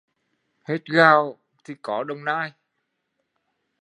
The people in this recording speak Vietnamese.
Hết gạo thì có Đồng Nai